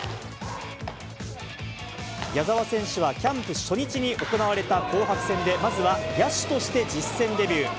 矢澤選手は、キャンプ初日に行われた紅白戦でまずは、野手として実戦デビュー。